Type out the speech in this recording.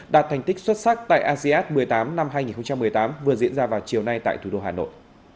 đạt thành tích xuất sắc tại asean một mươi tám năm hai nghìn một mươi tám vừa diễn ra vào chiều nay tại thủ đô hà nội